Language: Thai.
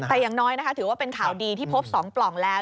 แต่อย่างน้อยนะคะถือว่าเป็นข่าวดีที่พบ๒ปล่องแล้ว